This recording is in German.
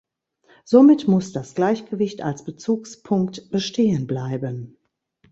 Somit muss das Gleichgewicht als Bezugspunkt bestehen bleiben.